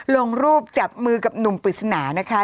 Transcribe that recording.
ลงรูปจับมือกับหนุ่มปริศนานะคะ